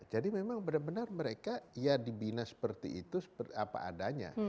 jadi memang benar benar mereka ya dibina seperti itu apa adanya